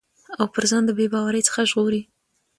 او پر ځان د بې باورٸ څخه ژغوري